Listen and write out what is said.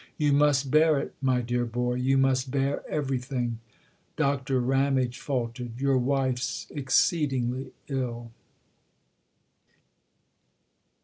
"You must bear it my dear boy you must bear everything." Doctor Ramage faltered. "Your wife's exceed ingly ill."